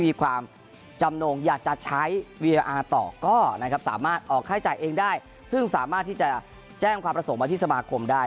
เราใช้จ่ายเองได้ซึ่งสามารถที่จะแจ้งความประสงค์มาที่สมาคมได้